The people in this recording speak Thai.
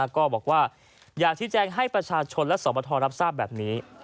ก็บอกว่าอยากชี้แจงให้ประชาชนและสวบททรรับทราบแบบนี้